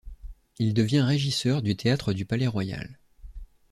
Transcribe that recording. Il devient régisseur du Théâtre du Palais-Royal.